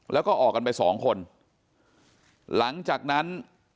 แล้วก็ออกกันไปสองคนหลังจากนั้น